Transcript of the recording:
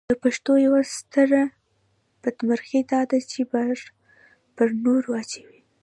د پښتنو یوه ستره بدمرغي داده چې بار پر نورو اچوي.